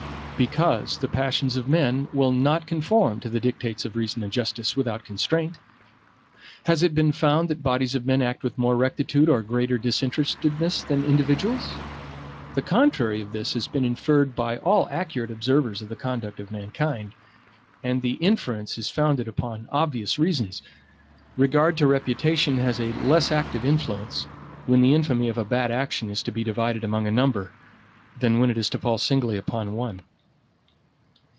Because the passions of men will not conform to the dictates of reason and justice, without constraint. Has it been found that bodies of men act with more rectitude or greater disinterestedness than individuals? The contrary of this has been inferred by all accurate observers of the conduct of mankind; and the inference is founded upon obvious reasons. Regard to reputation has a less active influence, when the infamy of a bad action is to be divided among a number than when it is to fall singly upon one.